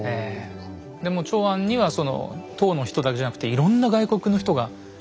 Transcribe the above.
でもう長安には唐の人だけじゃなくいろんな外国の人が来るので。